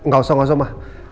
gak usah gak usah ma